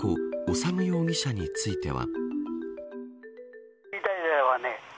修容疑者については。